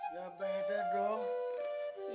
ya beda dong